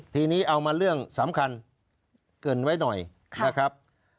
ทีนี้เอามาเรื่องสำคัญเกินไว้หน่อยนะครับ